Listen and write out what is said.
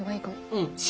うん。